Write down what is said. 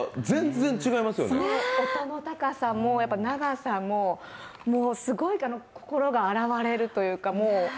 音の高さも長さもすごい心が洗われるというか。